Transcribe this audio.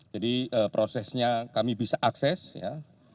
jadi prosesnya kami bisa akses ya